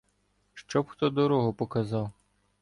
Щоб хто дорогу показав: